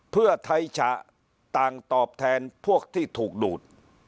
เพื่อไทยฉะต่างตอบแทนพวกที่ถูกดูด